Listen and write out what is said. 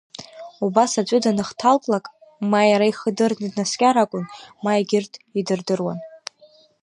Убас аӡәы даныхҭалклак, ма иара ихы дырны днаскьар акәын, ма егьырҭ идырдыруан.